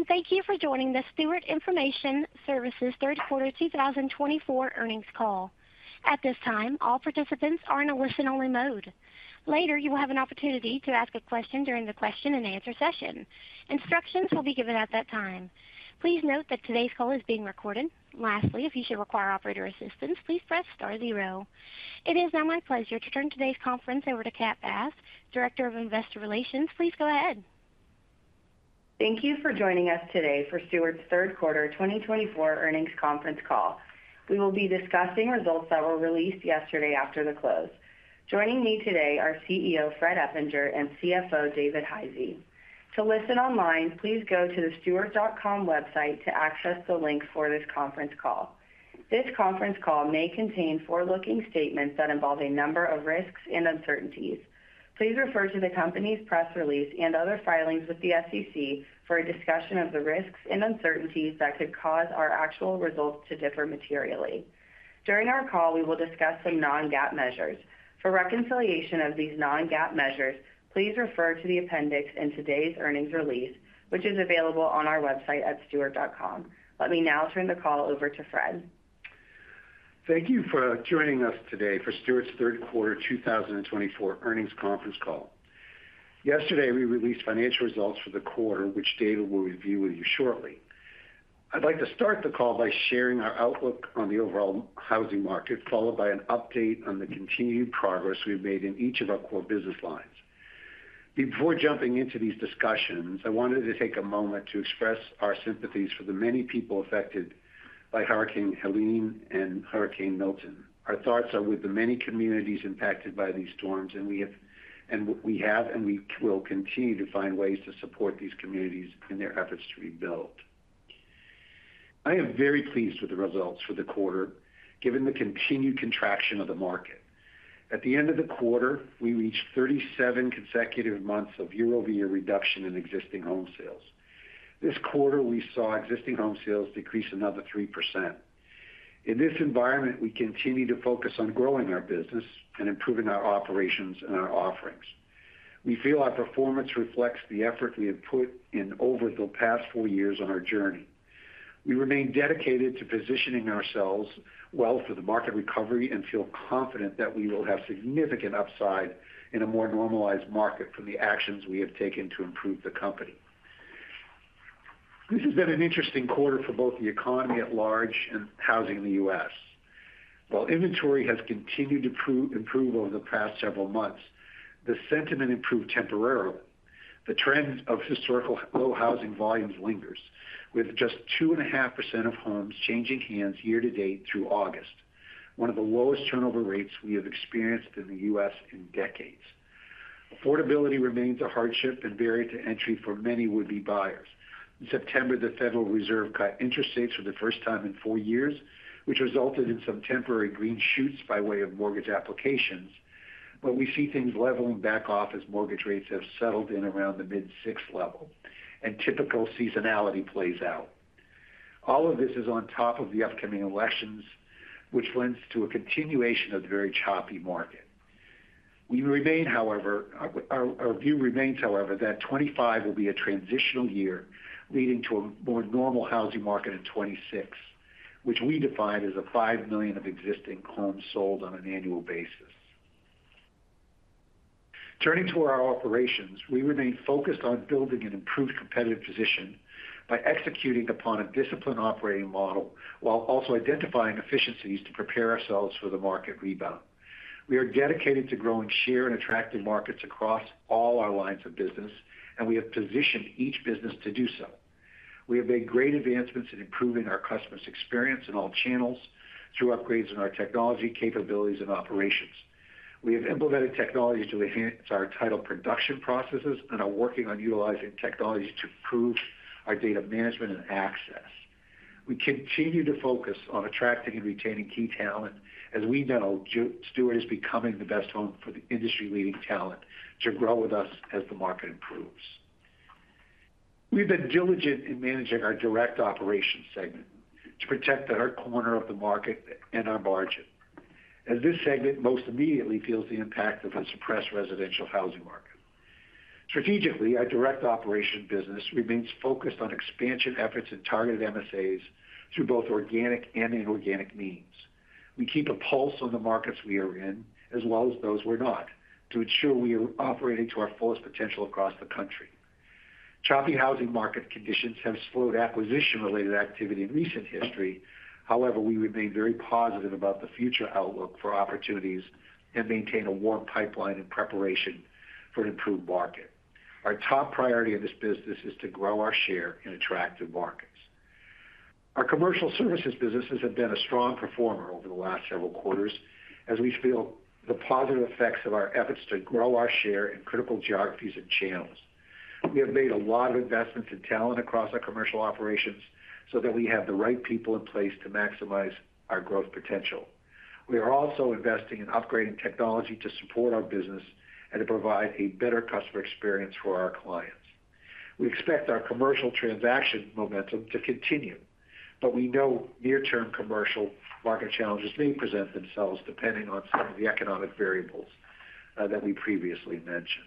Hello, and thank you for joining the Stewart Information Services third quarter 2024 earnings call. At this time, all participants are in a listen-only mode. Later, you will have an opportunity to ask a question during the question-and-answer session. Instructions will be given at that time. Please note that today's call is being recorded. Lastly, if you should require operator assistance, please press star zero. It is now my pleasure to turn today's conference over to Kat Bass, Director of Investor Relations. Please go ahead. Thank you for joining us today for Stewart's third quarter 2024 earnings conference call. We will be discussing results that were released yesterday after the close. Joining me today are CEO Fred Eppinger and CFO David Hisey. To listen online, please go to the stewart.com website to access the link for this conference call. This conference call may contain forward-looking statements that involve a number of risks and uncertainties. Please refer to the company's press release and other filings with the SEC for a discussion of the risks and uncertainties that could cause our actual results to differ materially. During our call, we will discuss some non-GAAP measures. For reconciliation of these non-GAAP measures, please refer to the appendix in today's earnings release, which is available on our website at stewart.com. Let me now turn the call over to Fred. Thank you for joining us today for Stewart's third quarter 2024 earnings conference call. Yesterday, we released financial results for the quarter, which data we'll review with you shortly. I'd like to start the call by sharing our outlook on the overall housing market, followed by an update on the continued progress we've made in each of our core business lines. Before jumping into these discussions, I wanted to take a moment to express our sympathies for the many people affected by Hurricane Helene and Hurricane Milton. Our thoughts are with the many communities impacted by these storms, and we have and we will continue to find ways to support these communities in their efforts to rebuild. I am very pleased with the results for the quarter, given the continued contraction of the market. At the end of the quarter, we reached thirty-seven consecutive months of year-over-year reduction in existing home sales. This quarter, we saw existing home sales decrease another 3%. In this environment, we continue to focus on growing our business and improving our operations and our offerings. We feel our performance reflects the effort we have put in over the past four years on our journey. We remain dedicated to positioning ourselves well for the market recovery and feel confident that we will have significant upside in a more normalized market from the actions we have taken to improve the company. This has been an interesting quarter for both the economy at large and housing in the U.S.. While inventory has continued to progressively improve over the past several months, the sentiment improved temporarily. The trend of historically low housing volumes lingers, with just 2.5% of homes changing hands year to date through August, one of the lowest turnover rates we have experienced in the U.S. in decades. Affordability remains a hardship and barrier to entry for many would-be buyers. In September, the Federal Reserve cut interest rates for the first time in four years, which resulted in some temporary green shoots by way of mortgage applications. But we see things leveling back off as mortgage rates have settled in around the mid-six level, and typical seasonality plays out. All of this is on top of the upcoming elections, which lends to a continuation of the very choppy market. Our view remains, however, that 2025 will be a transitional year, leading to a more normal housing market in 2026, which we define as 5 million existing homes sold on an annual basis. Turning to our operations, we remain focused on building an improved competitive position by executing upon a disciplined operating model, while also identifying efficiencies to prepare ourselves for the market rebound. We are dedicated to growing share and attractive markets across all our lines of business, and we have positioned each business to do so. We have made great advancements in improving our customers' experience in all channels through upgrades in our technology, capabilities, and operations. We have implemented technologies to enhance our title production processes and are working on utilizing technologies to improve our data management and access. We continue to focus on attracting and retaining key talent. As we know, Stewart is becoming the best home for the industry-leading talent to grow with us as the market improves. We've been diligent in managing our direct operations segment to protect our corner of the market and our margin, as this segment most immediately feels the impact of a suppressed residential housing market. Strategically, our direct operation business remains focused on expansion efforts and targeted MSAs through both organic and inorganic means. We keep a pulse on the markets we are in, as well as those we're not, to ensure we are operating to our fullest potential across the country. Choppy housing market conditions have slowed acquisition-related activity in recent history. However, we remain very positive about the future outlook for opportunities and maintain a warm pipeline in preparation for an improved market. Our top priority in this business is to grow our share in attractive markets. Our commercial services businesses have been a strong performer over the last several quarters, as we feel the positive effects of our efforts to grow our share in critical geographies and channels. We have made a lot of investments in talent across our commercial operations so that we have the right people in place to maximize our growth potential. We are also investing in upgrading technology to support our business and to provide a better customer experience for our clients. We expect our commercial transaction momentum to continue, but we know near-term commercial market challenges may present themselves depending on some of the economic variables that we previously mentioned.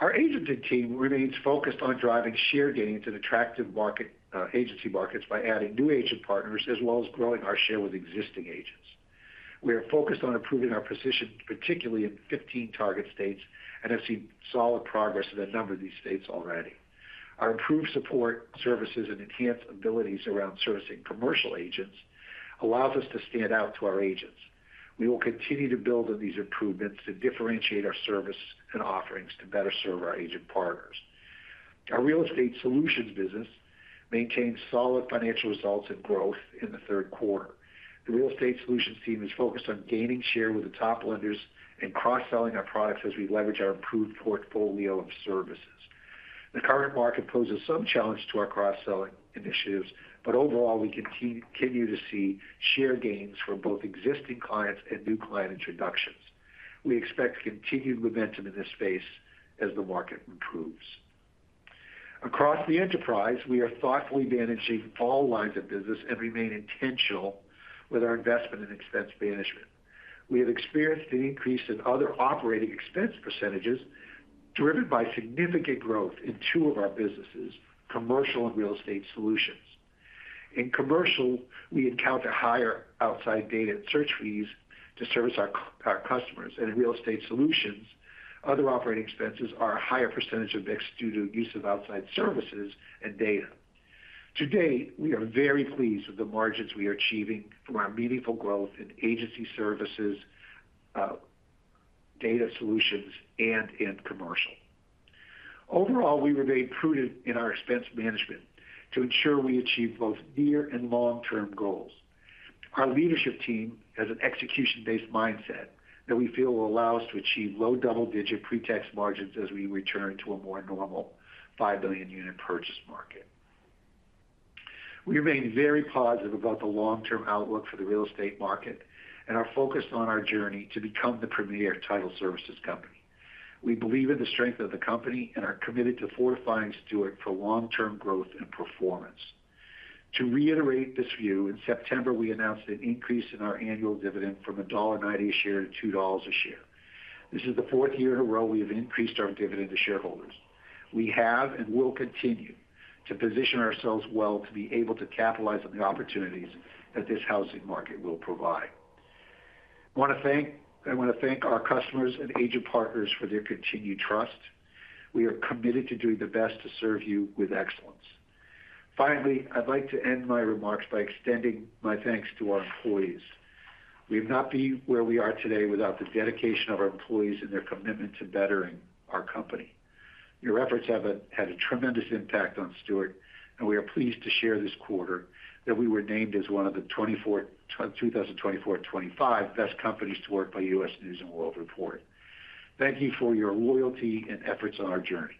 Our agency team remains focused on driving share gaining into the attractive market, agency markets by adding new agent partners, as well as growing our share with existing agents. We are focused on improving our position, particularly in 15 target states, and have seen solid progress in a number of these states already. Our improved support services and enhanced abilities around servicing commercial agents allows us to stand out to our agents. We will continue to build on these improvements to differentiate our service and offerings to better serve our agent partners. Our Real Estate Solutions business maintained solid financial results and growth in the third quarter. The Real Estate Solutions team is focused on gaining share with the top lenders and cross-selling our products as we leverage our improved portfolio of services. The current market poses some challenge to our cross-selling initiatives, but overall, we continue to see share gains from both existing clients and new client introductions. We expect continued momentum in this space as the market improves. Across the enterprise, we are thoughtfully managing all lines of business and remain intentional with our investment in expense management. We have experienced an increase in other operating expense percentages, driven by significant growth in two of our businesses, commercial and Real Estate Solutions. In commercial, we encounter higher outside data and search fees to service our customers, and in Real Estate Solutions, other operating expenses are a higher percentage of mix due to use of outside services and data. To date, we are very pleased with the margins we are achieving from our meaningful growth in agency services, data solutions and in commercial. Overall, we remain prudent in our expense management to ensure we achieve both near and long-term goals. Our leadership team has an execution-based mindset that we feel will allow us to achieve low double-digit pre-tax margins as we return to a more normal five million unit purchase market. We remain very positive about the long-term outlook for the real estate market and are focused on our journey to become the premier title services company. We believe in the strength of the company and are committed to fortifying Stewart for long-term growth and performance. To reiterate this view, in September, we announced an increase in our annual dividend from $1.90 a share to $2 a share. This is the fourth year in a row we have increased our dividend to shareholders. We have and will continue to position ourselves well to be able to capitalize on the opportunities that this housing market will provide. I want to thank our customers and agent partners for their continued trust. We are committed to doing the best to serve you with excellence. Finally, I'd like to end my remarks by extending my thanks to our employees. We would not be where we are today without the dedication of our employees and their commitment to bettering our company. Your efforts had a tremendous impact on Stewart, and we are pleased to share this quarter that we were named as one of the 2024-2025 best companies to work for by U.S. News & World Report. Thank you for your loyalty and efforts on our journey.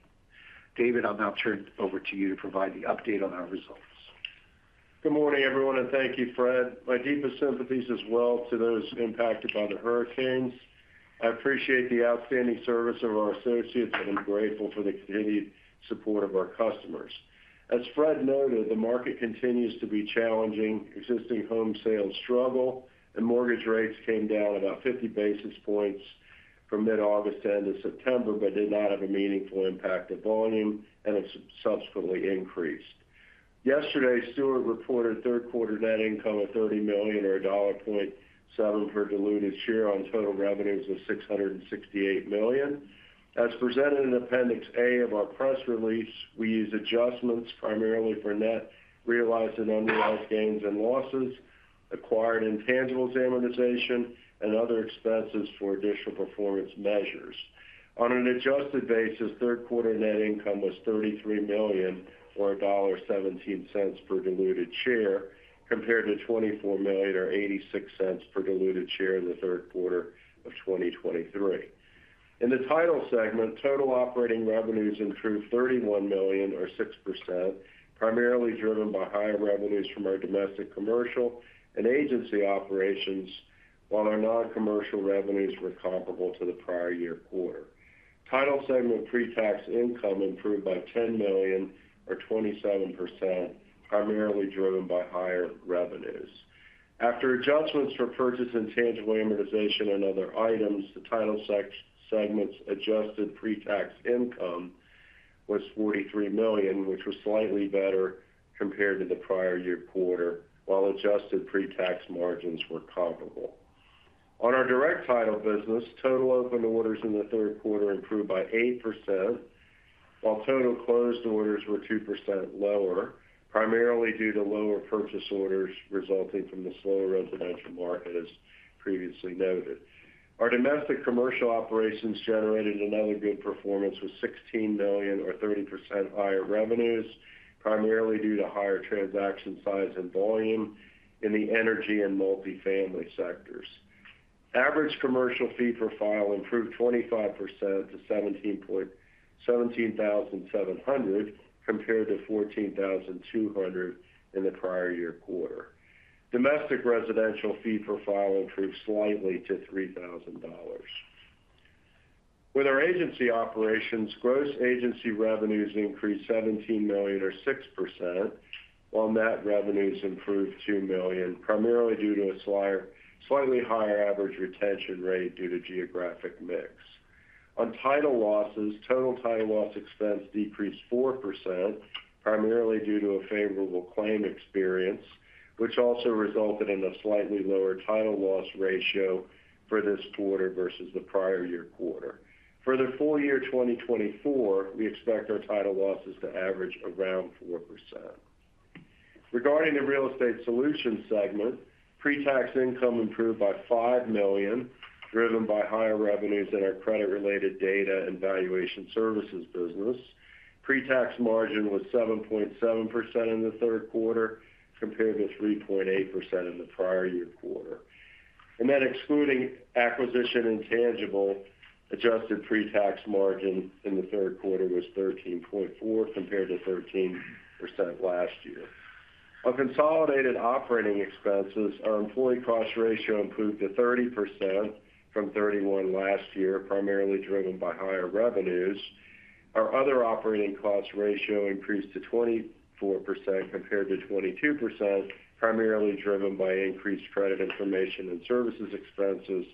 David, I'll now turn it over to you to provide the update on our results. Good morning, everyone, and thank you, Fred. My deepest sympathies as well to those impacted by the hurricanes. I appreciate the outstanding service of our associates, and I'm grateful for the continued support of our customers. As Fred noted, the market continues to be challenging. Existing home sales struggle and mortgage rates came down about 50 basis points from mid-August to end of September, but did not have a meaningful impact on volume, and it's subsequently increased. Yesterday, Stewart reported third quarter net income of $30 million or $1.7 per diluted share on total revenues of $668 million. As presented in Appendix A of our press release, we use adjustments primarily for net, realized and unrealized gains and losses, acquired intangibles amortization, and other expenses for additional performance measures. On an adjusted basis, third quarter net income was $33 million, or $1.17 per diluted share, compared to $24 million or $0.86 per diluted share in the third quarter of 2023. In the Title segment, total operating revenues improved $31 million or 6%, primarily driven by higher revenues from our domestic, commercial, and agency operations, while our non-commercial revenues were comparable to the prior year quarter. Title segment pre-tax income improved by $10 million or 27%, primarily driven by higher revenues. After adjustments for purchase and intangible amortization and other items, the Title segment's adjusted pre-tax income was $43 million, which was slightly better compared to the prior year quarter, while adjusted pre-tax margins were comparable. On our direct title business, total open orders in the third quarter improved by 8%, while total closed orders were 2% lower, primarily due to lower purchase orders resulting from the slower residential market, as previously noted. Our domestic commercial operations generated another good performance with $16 million or 30% higher revenues, primarily due to higher transaction size and volume in the energy and multifamily sectors. Average commercial fee per file improved 25% to $17,700, compared to $14,200 in the prior year quarter. Domestic residential fee per file improved slightly to $3,000. With our agency operations, gross agency revenues increased $17 million or 6%, while net revenues improved $2 million, primarily due to a slightly higher average retention rate due to geographic mix. On title losses, total title loss expense decreased 4%, primarily due to a favorable claim experience, which also resulted in a slightly lower title loss ratio for this quarter versus the prior year quarter. For the full year 2024, we expect our title losses to average around 4%. Regarding the Real Estate Solutions segment, pre-tax income improved by $5 million, driven by higher revenues in our credit-related data and valuation services business. Pre-tax margin was 7.7% in the third quarter, compared to 3.8% in the prior year quarter. And then excluding acquisition intangible, adjusted pre-tax margin in the third quarter was 13.4 compared to 13% last year. On consolidated operating expenses, our employee cost ratio improved to 30% from 31% last year, primarily driven by higher revenues. Our other operating cost ratio increased to 24% compared to 22%, primarily driven by increased credit information and services expenses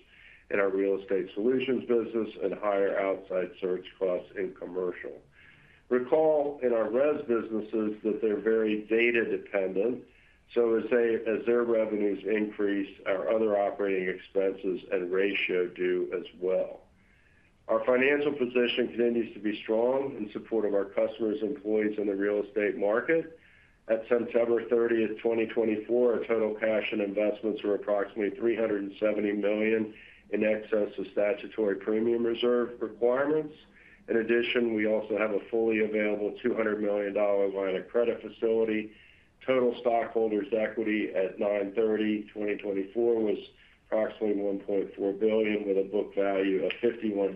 in our Real Estate Solutions business and higher outside search costs in commercial. Recall, in our RES businesses that they're very data dependent, so as their revenues increase, our other operating expenses and ratio do as well. Our financial position continues to be strong in support of our customers, employees in the real estate market. At September 30, 2024, our total cash and investments were approximately $370 million in excess of statutory premium reserve requirements. In addition, we also have a fully available $200 million line of credit facility. Total stockholders' equity at September 30, 2024 was approximately $1.4 billion, with a book value of $51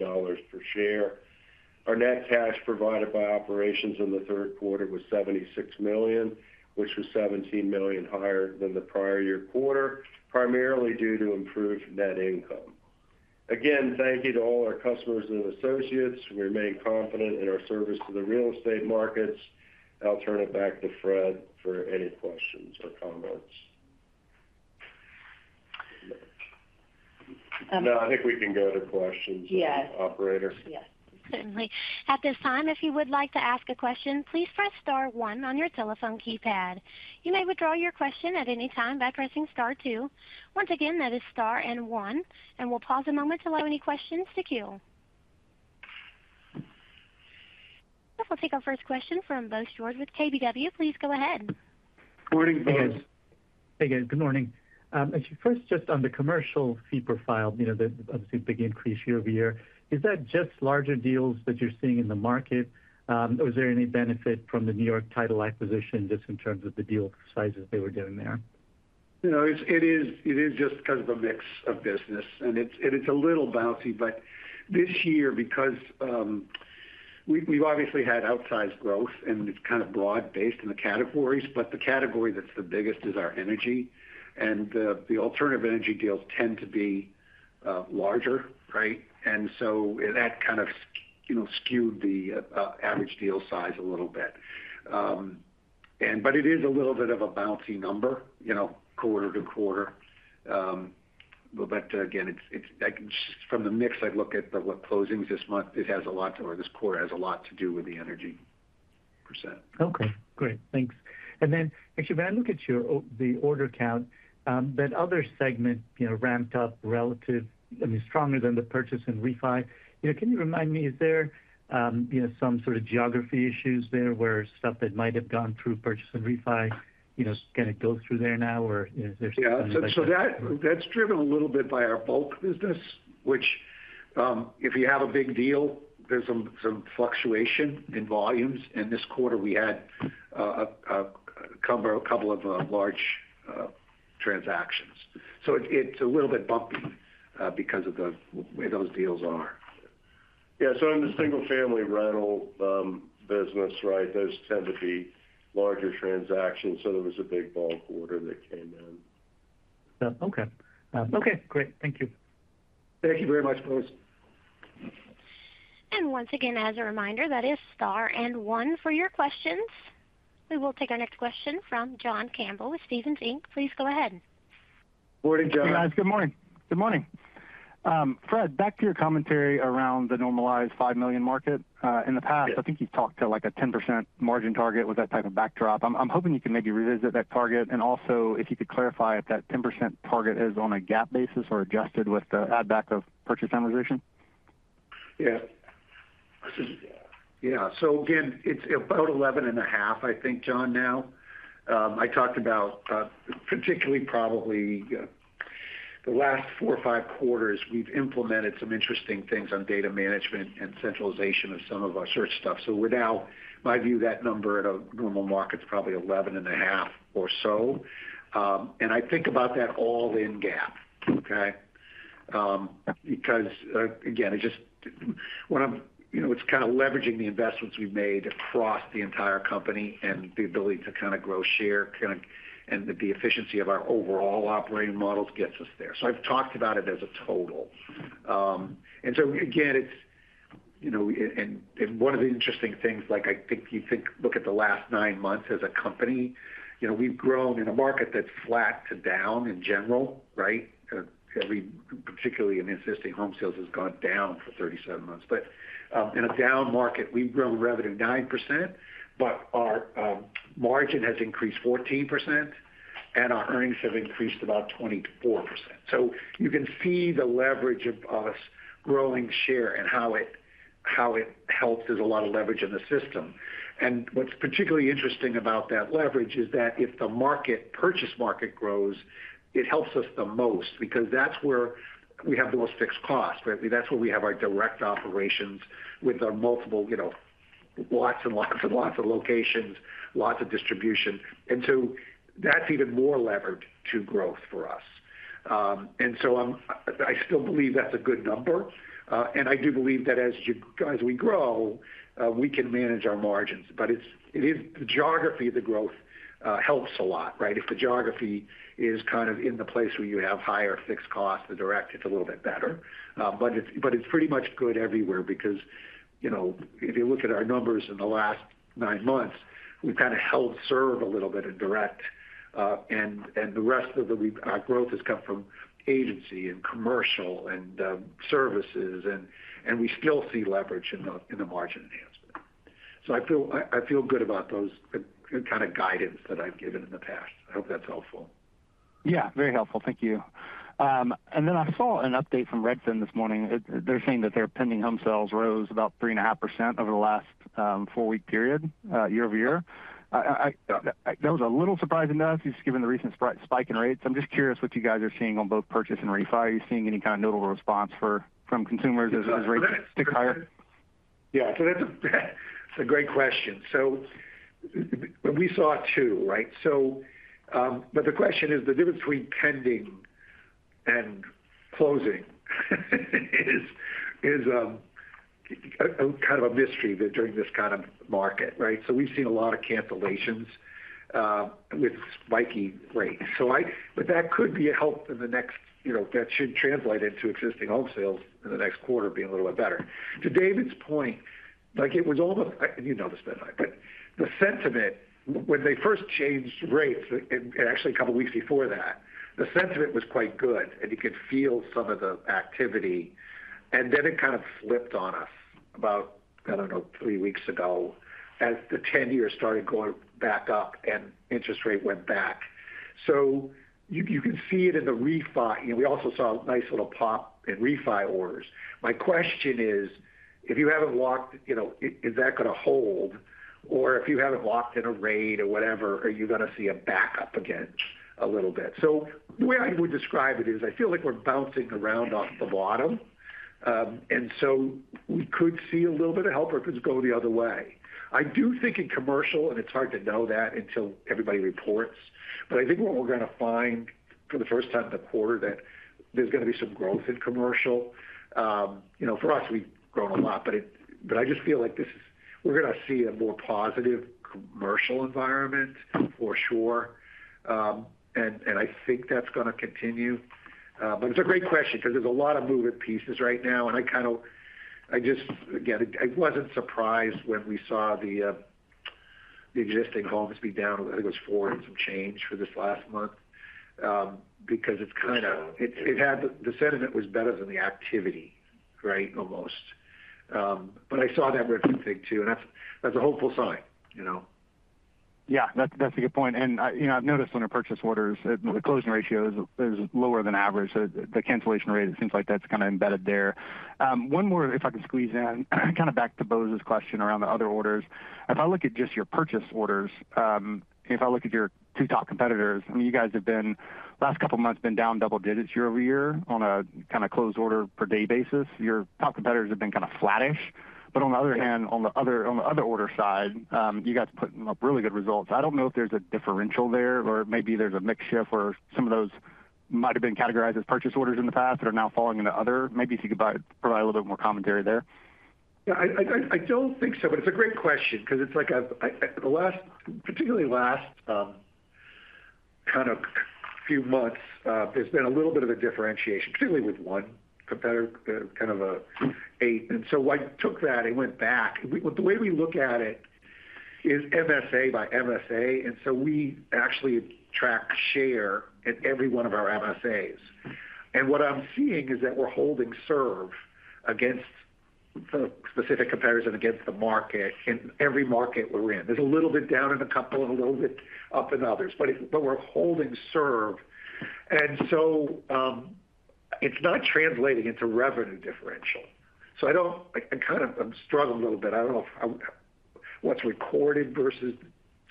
per share. Our net cash provided by operations in the third quarter was $76 million, which was $17 million higher than the prior year quarter, primarily due to improved net income. Again, thank you to all our customers and associates. We remain confident in our service to the real estate markets. I'll turn it back to Fred for any questions or comments. No, I think we can go to questions. Yes. Operator? Yes. Certainly. At this time, if you would like to ask a question, please press star one on your telephone keypad. You may withdraw your question at any time by pressing star two. Once again, that is star and one, and we'll pause a moment to allow any questions to queue. We'll take our first question from Bose George with KBW. Please go ahead. Morning, Hey, guys. Good morning. Actually, first, just on the commercial fee profile, you know, the, obviously big increase year over year, is that just larger deals that you're seeing in the market? Or is there any benefit from the New York Title acquisition just in terms of the deal sizes they were doing there? You know, it is just because of a mix of business, and it's a little bouncy, but this year, because we've obviously had outsized growth and it's kind of broad-based in the categories, but the category that's the biggest is our energy. And the alternative energy deals tend to be larger, right? And so that kind of, you know, skewed the average deal size a little bit. But it is a little bit of a bouncy number, you know, quarter-to-quarter. But again, it's from the mix. I look at closings this month, it has a lot, or this quarter has a lot to do with the energy percent. Okay, great. Thanks. And then actually, when I look at your order count, that other segment, you know, ramped up relative, I mean, stronger than the purchase and refi. You know, can you remind me, is there, you know, some sort of geography issues there where stuff that might have gone through purchase and refi, you know, kind of go through there now, or is there something like that? Yeah, so that's driven a little bit by our bulk business, which, if you have a big deal, there's some fluctuation in volumes. This quarter we had a couple of large transactions. It's a little bit bumpy because of where those deals are. Yeah, so in the single-family rental business, right, those tend to be larger transactions, so there was a big bulk order that came in. Okay. Okay, great. Thank you. Thank you very much, Bose. Once again, as a reminder, that is star and one for your questions. We will take our next question from John Campbell with Stephens Inc. Please go ahead. Morning, John. Hey, guys. Good morning. Good morning. Fred, back to your commentary around the normalized five million market. In the past I think you talked to, like, a 10% margin target with that type of backdrop. I'm, I'm hoping you can maybe revisit that target, and also if you could clarify if that 10% target is on a GAAP basis or adjusted with the add back of purchase amortization. Yeah. Yeah. So again, it's about eleven and a half, I think, John, now. I talked about, particularly probably, the last four or five quarters, we've implemented some interesting things on data management and centralization of some of our search stuff. So we're now, my view, that number at a normal market is probably eleven and a half or so. And I think about that all in GAAP, okay? Because, again, it just, when I'm-- you know, it's kind of leveraging the investments we've made across the entire company and the ability to kind of grow share, kind of, and the efficiency of our overall operating models gets us there. So I've talked about it as a total. And so again, it's-... You know, and one of the interesting things, like, I think, look at the last nine months as a company. You know, we've grown in a market that's flat to down in general, right? Everything, particularly in existing home sales, has gone down for 37 months, but in a down market, we've grown revenue 9%, but our margin has increased 14%, and our earnings have increased about 24%, so you can see the leverage of us growing share and how it helps. There's a lot of leverage in the system, and what's particularly interesting about that leverage is that if the purchase market grows, it helps us the most, because that's where we have the most fixed costs, right? That's where we have our direct operations with our multiple, you know, lots and lots and lots of locations, lots of distribution. And so that's even more leverage to growth for us. I still believe that's a good number. And I do believe that as you, as we grow, we can manage our margins. But it is the geography of the growth helps a lot, right? If the geography is kind of in the place where you have higher fixed costs, the direct, it's a little bit better. But it's pretty much good everywhere because, you know, if you look at our numbers in the last nine months, we've kind of held serve a little bit in direct, and the rest of our growth has come from agency and commercial services, and we still see leverage in the margin enhancement. So I feel good about the kind of guidance that I've given in the past. I hope that's helpful. Yeah, very helpful. Thank you. And then I saw an update from Redfin this morning. They're saying that their pending home sales rose about 3.5% over the last four-week period, year over year. That was a little surprising to us, just given the recent spike in rates. I'm just curious what you guys are seeing on both purchase and refi. Are you seeing any kind of notable response from consumers as rates tick higher? Yeah, so that's a great question. So we saw it too, right? But the question is, the difference between pending and closing, is kind of a mystery during this kind of market, right? So we've seen a lot of cancellations with spiky rates. But that could be a help in the next, you know, that should translate into existing home sales in the next quarter being a little bit better. To David's point, like, it was almost, you know this, but the sentiment when they first changed rates, and actually a couple of weeks before that, the sentiment was quite good, and you could feel some of the activity. Then it kind of flipped on us about, I don't know, three weeks ago, as the ten year started going back up and interest rate went back. So you can see it in the refi. We also saw a nice little pop in refi orders. My question is: If you haven't locked, you know, is that going to hold? Or if you haven't locked in a rate or whatever, are you going to see a backup again a little bit? So the way I would describe it is I feel like we're bouncing around off the bottom. And so we could see a little bit of help or it could go the other way. I do think in commercial, and it's hard to know that until everybody reports, but I think what we're going to find for the first time in the quarter, that there's going to be some growth in commercial. You know, for us, we've grown a lot, but I just feel like this. We're going to see a more positive commercial environment for sure, and I think that's going to continue, but it's a great question because there's a lot of moving pieces right now, and I kind of, I just, again, I wasn't surprised when we saw the existing homes be down. I think it was four and some change for this last month, because it's kind of It had the sentiment was better than the activity, right? Almost. But I saw that Redfin thing too, and that's a hopeful sign, you know? Yeah, that's a good point. And I, you know, I've noticed on our purchase orders, the closing ratio is lower than average. So the cancellation rate and things like that is kind of embedded there. One more, if I could squeeze in. Kind of back to Bose's question around the other orders. If I look at just your purchase orders, if I look at your two top competitors, I mean, you guys have been, last couple of months, down double digits year over year on a kind of closed order per day basis. Your top competitors have been kind of flattish. But on the other hand, on the other order side, you guys are putting up really good results. I don't know if there's a differential there, or maybe there's a mix shift, or some of those might have been categorized as purchase orders in the past that are now falling into other. Maybe if you could provide a little bit more commentary there. Yeah, I don't think so, but it's a great question because it's like I've in the last, particularly last, kind of few months, there's been a little bit of a differentiation, particularly with one competitor, kind of an eight. And so I took that and went back. The way we look at it is MSA by MSA, and so we actually track share in every one of our MSAs. And what I'm seeing is that we're holding serve against the specific competitors and against the market in every market we're in. There's a little bit down in a couple and a little bit up in others, but we're holding serve. And so, it's not translating into revenue differential. So I don't. I kind of, I'm struggling a little bit. I don't know if what's recorded versus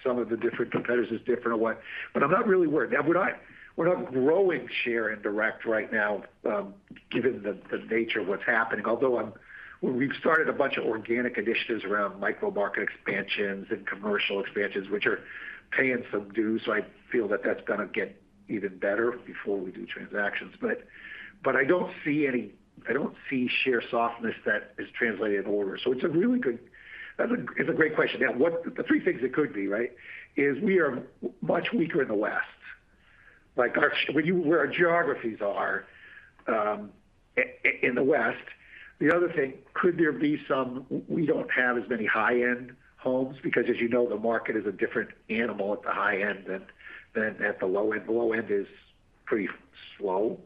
some of the different competitors is different or what, but I'm not really worried. Now, we're not growing share in direct right now, given the nature of what's happening. Although we've started a bunch of organic initiatives around micro-market expansions and commercial expansions, which are paying some dues, so I feel that that's going to get even better before we do transactions. But I don't see share softness that is translating in orders. So it's a really good. That's a, it's a great question. Now, what the three things it could be, right? Is we are much weaker in the West, like our geographies are in the West. The other thing, could there be some... We don't have as many high-end homes, because as you know, the market is a different animal at the high end than at the low end. The low end is pretty slow.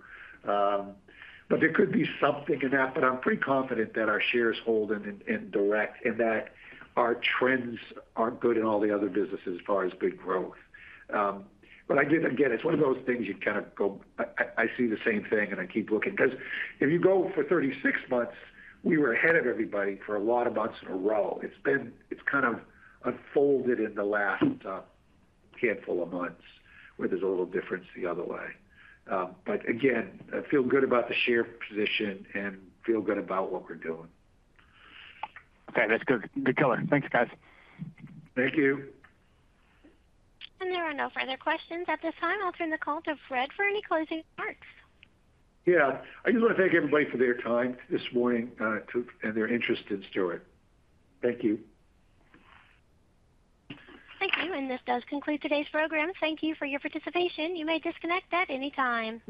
But there could be something in that, but I'm pretty confident that our shares hold in direct, and that our trends are good in all the other businesses as far as big growth. But again, it's one of those things you kind of go, I see the same thing and I keep looking. Because if you go for thirty-six months, we were ahead of everybody for a lot of months in a row. It's been. It's kind of unfolded in the last handful of months, where there's a little difference the other way. But again, I feel good about the share position and feel good about what we're doing. Okay, that's good. Good color. Thanks, guys. Thank you. There are no further questions at this time. I'll turn the call to Fred for any closing remarks. Yeah. I just want to thank everybody for their time this morning, and their interest in Stewart. Thank you. Thank you, and this does conclude today's program. Thank you for your participation. You may disconnect at any time.